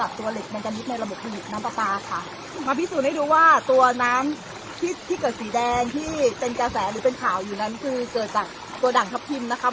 ตัวเหล็กมันจะนิดในระบบผลิตน้ำปลาปลาค่ะมาพิสูจน์ให้ดูว่าตัวน้ำที่ที่เกิดสีแดงที่เป็นกระแสหรือเป็นข่าวอยู่นั้นคือเกิดจากตัวด่างทัพทิมนะคะ